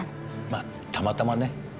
まあたまたまね。